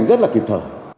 rất là kịp thở